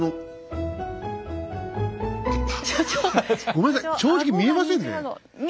ごめんなさい正直見えませんね。